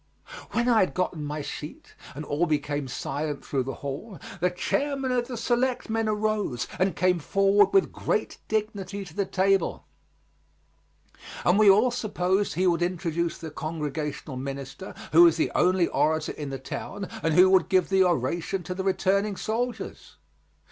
When I had gotten my seat and all became silent through the hall, the chairman of the Selectmen arose and came forward with great dignity to the table, and we all supposed he would introduce the Congregational minister, who was the only orator in the town, and who would give the oration to the returning soldiers.